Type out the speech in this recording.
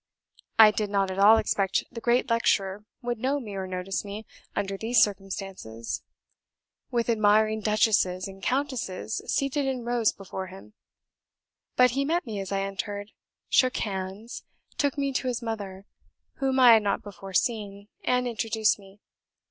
I did not at all expect the great lecturer would know me or notice me under these circumstances, with admiring duchesses and countesses seated in rows before him; but he met me as I entered shook hands took me to his mother, whom I had not before seen, and introduced me.